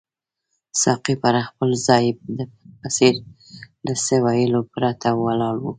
ساقي پر خپل ځای د بت په څېر له څه ویلو پرته ولاړ وو.